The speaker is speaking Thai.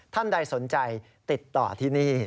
ท่านใดสนใจติดต่อที่นี่